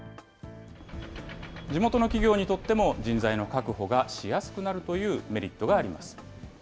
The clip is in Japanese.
地元の企業にとっても、人材の確保がしやすくなるというメリットがあります。